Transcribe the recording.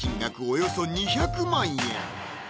およそ２００万円